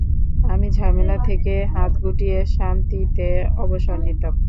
আমি ঝামেলা থেকে হাত গুটিয়ে, শান্তিতে অবসর নিতাম।